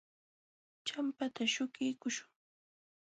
Champata śhukiykuśhun.